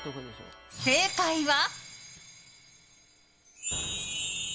正解は。